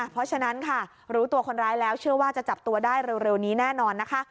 เพราะฉะนั้นค่ะรู้ตัวคนร้ายแล้วเชื่อว่าจะจับตัวได้เร็วนี้แน่นอนนะคะ